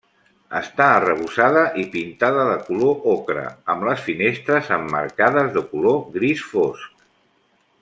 Està arrebossada i pintada de color ocre, amb les finestres emmarcades de color gris fosc.